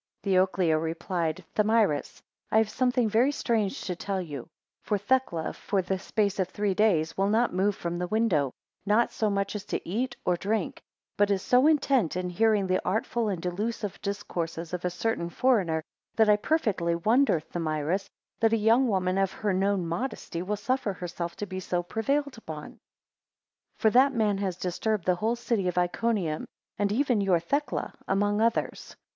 6 Theoclia replied, Thamyris, I have something very strange to tell you; for Thecla, for the space of three days, will not move from the window, not so much as to eat or drink, but is so intent in hearing the artful and delusive discourses of a certain foreigner, that I perfectly wonder Thamyris, that a young woman of her known modesty, will suffer herself to be so prevailed upon. 7 For that man has disturbed the whole city of Iconium, and even your Thecla, among others.